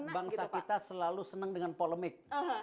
bangsa kita selalu senang dengan polemik